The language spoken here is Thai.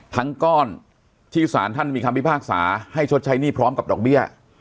ก้อนที่สารท่านมีคำพิพากษาให้ชดใช้หนี้พร้อมกับดอกเบี้ย